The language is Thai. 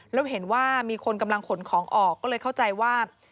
แล้วเห็นว่ามีคนกำลังขนของออกก็เลยเข้าใจว่า